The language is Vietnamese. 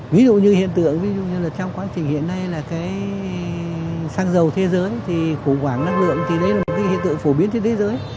ví dụ như hiện tượng ví dụ như là trong quá trình hiện nay là cái xăng dầu thế giới thì khủng hoảng năng lượng thì đấy là một cái hiện tượng phổ biến trên thế giới